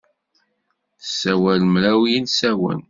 Tessawal mraw yilsawen.